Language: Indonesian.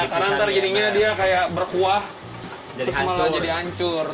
karena nanti jadinya dia kayak berkuah terus malah jadi hancur